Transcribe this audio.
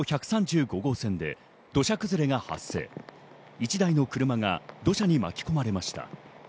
１台の車が土砂に巻き込まれました。